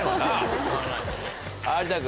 有田君。